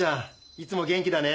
いつも元気だね。